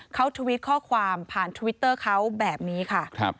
เขาทวิตข้อความผ่านทวิตเตอร์เขาแบบนี้ค่ะ